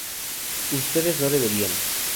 ustedes no beberían